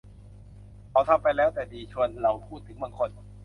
เขาทำไปแล้ว แต่ดี ชวนเราพูดถึงบางคน